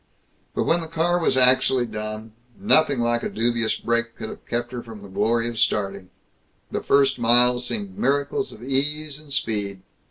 But when the car was actually done, nothing like a dubious brake could have kept her from the glory of starting. The first miles seemed miracles of ease and speed.